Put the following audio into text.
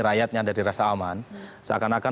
rakyatnya dari rasa aman seakan akan